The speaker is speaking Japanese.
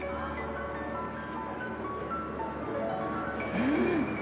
うん！